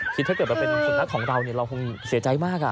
คิดถ้าเกิดเป็นสุนัขของเราเนี่ยเราคงเสียใจมากอ่ะ